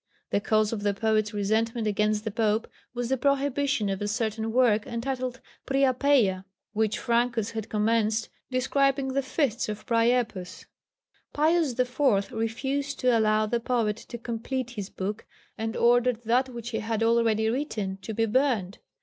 The cause of the poet's resentment against the Pope was the prohibition of a certain work, entitled Priapeia, which Francus had commenced, describing the feasts of Priapus. Pius IV. refused to allow the poet to complete his book, and ordered that which he had already written to be burned.